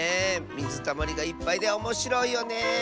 みずたまりがいっぱいでおもしろいよね。